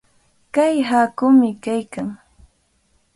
Kay haakumi kaykan.